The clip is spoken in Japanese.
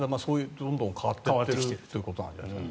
どんどん変わってきているということじゃないですか。